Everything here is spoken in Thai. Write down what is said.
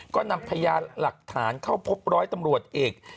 ก็นำพยานหลักฐานเข้าพบร้อยตำรวจเอก